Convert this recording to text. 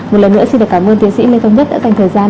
một lần nữa xin cảm ơn tiến sĩ lê tông đức đã dành thời gian